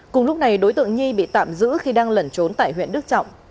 cùng lúc này đối tượng nhi bị tạm giữ khi đang lẩn trốn tại huyện đức trọng